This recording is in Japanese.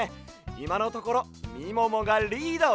いまのところみももがリード！